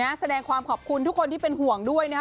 นี่ละแม้แสดงความขอบคุณทุกคนที่เป็นห่วงด้วยนะ